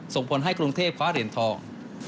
ส่งผลให้กรุงเทพคว้าเหรียญทอง